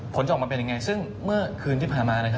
จะออกมาเป็นยังไงซึ่งเมื่อคืนที่ผ่านมานะครับ